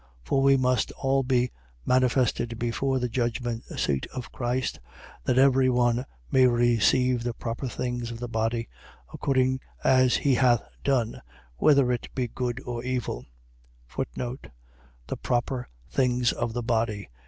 5:10. For we must all be manifested before the judgment seat of Christ, that every one may receive the proper things of the body, according as he hath done, whether it be good or evil. The proper things of the body.